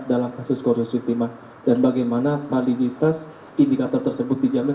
dalam kasus korupsi timur dan bagaimana validitas indikator tersebut dijamin